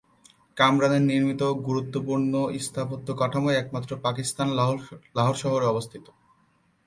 কামরান এর নির্মিত গুরুত্বপূর্ণ স্থাপত্য কাঠামো একমাত্র পাকিস্তানের লাহোর অবস্থিত।